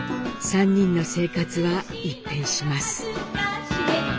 ３人の生活は一変します。